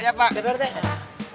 siap pak rt